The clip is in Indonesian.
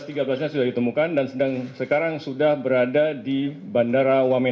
sudah semuanya tiga belas tiga belas nya sudah ditemukan dan sekarang sudah berada di bandara wamena